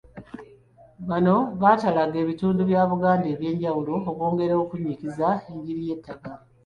Bano batalaaga ebitundu bya Buganda ebyenjawulo okwongera okunnyikiza enjiri y'ettaka.